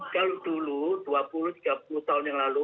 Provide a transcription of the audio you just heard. kalau dulu dua puluh tiga puluh tahun yang lalu